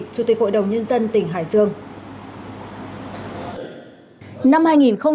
chủ tịch hội đồng nhân dân tỉnh hải dương